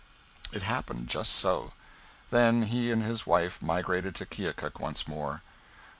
It happened just so. Then he and his wife migrated to Keokuk once more.